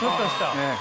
ええ。